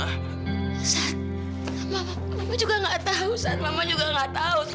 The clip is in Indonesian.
sat mama juga gak tahu sat mama juga gak tahu